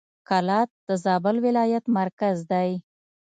کلات د زابل ولایت مرکز دی.